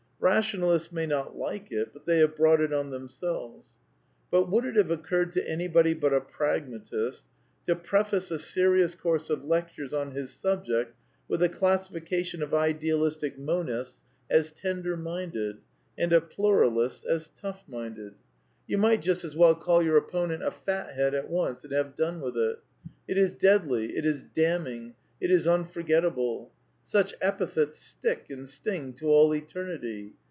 Bationalists may not like it, but they have brought it on themselves. But would it have occurred to anybody but a pragmatist to preface a serious course of lectures on his subject with a classification of Idealistic Monists as " Tender minded," and of Pluralists as " Tough minded "? You might just INTKODUCTION ix as well call your opponent a fat head at once and have done with it. It is deadly ; it is damning ; it is unforget table. Such epithets stick and sting to all eternity.